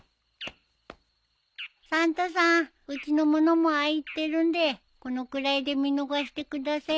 サンタさんうちの者もああ言ってるんでこのくらいで見逃してくだせえ。